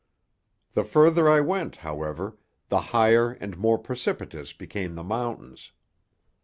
The further I went, however, the higher and more precipitous became the mountains.